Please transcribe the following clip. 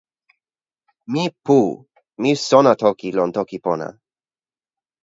mi pu. mi sona toki lon toki pona.